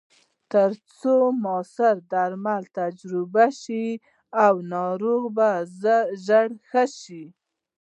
ترڅو موثره درمل تجویز شي او ناروغ ژر ښه شي.